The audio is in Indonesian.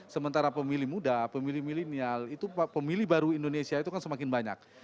sementara pemilih muda pemilih milenial itu pemilih baru indonesia itu kan semakin banyak